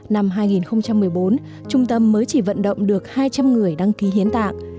năm hai nghìn một mươi bốn trung tâm mới chỉ vận động được hai trăm linh người đăng ký hiến tạng